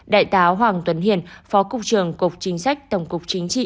đại tá hoàng tuấn hiền phó cục trưởng cục chính sách tổng cục chính trị